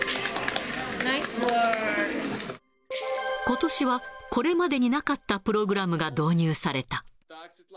ことしは、これまでになかったプログラムが導入された。